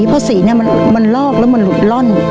เพราะสีมันลอกแล้วมันหลุดล่อน